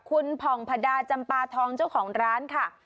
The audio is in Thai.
คุณผ่องพระดาจำปาทองเจ้าของร้านค่ะ